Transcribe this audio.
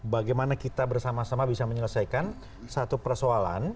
bagaimana kita bersama sama bisa menyelesaikan satu persoalan